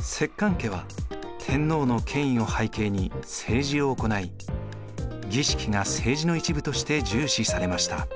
摂関家は天皇の権威を背景に政治を行い儀式が政治の一部として重視されました。